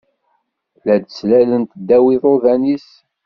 La d-ttlalent ddaw iḍuḍan-is